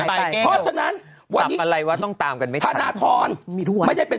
เพราะฉะนั้นวันนี้ตามอะไรวะต้องตามกันไม่ทันธนทรมีด้วยไม่ได้เป็น